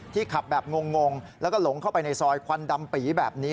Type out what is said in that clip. ขับแบบงงแล้วก็หลงเข้าไปในซอยควันดำปีแบบนี้